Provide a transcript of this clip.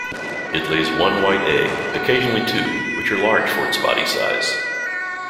It lays one white egg, occasionally two, which are large for its body size.